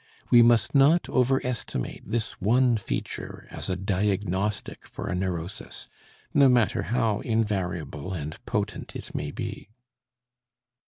We must not overestimate this one feature as a diagnostic for a neurosis, no matter how invariable and potent it may be.